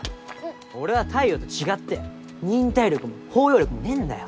俺は太陽と違って忍耐力も包容力もねえんだよ。